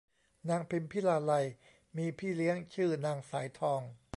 นางพิมพิลาไลยมีพี่เลี้ยงชื่อนางสายทอง